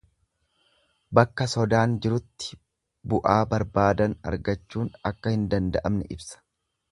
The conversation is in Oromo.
Bakka sodaan jirutti bu'aa barbaadan argachuun akka hin danda'amne ibsa.